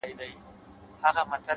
اوس مي د زړه قلم ليكل نه كوي;